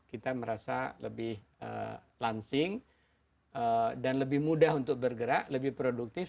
kita merasa lebih lansing dan lebih mudah untuk bergerak lebih produktif